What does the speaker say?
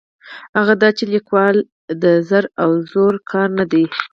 هغه دا چې لیکوالي د زر او زور کار نه دی.